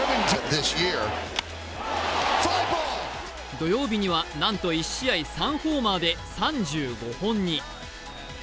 土曜日には、なんと１試合３ホーマーで３５本に。